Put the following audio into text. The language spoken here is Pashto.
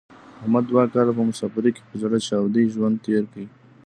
احمد دوه کاله په مسافرۍ کې په زړه چاودې ژوند تېر کړ.